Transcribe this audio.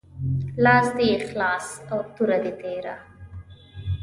لاس دي خلاص او توره دي تیره